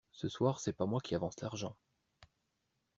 Ce soir c'est pas moi qui avance l'argent.